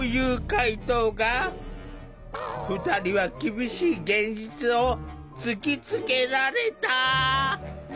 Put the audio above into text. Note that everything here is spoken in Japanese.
２人は厳しい現実を突きつけられた。